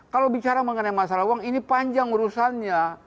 kalau bicara mengenai masalah uang ini panjang urusannya